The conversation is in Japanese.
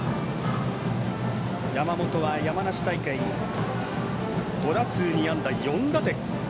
山本は山梨大会で５打数２安打４打点。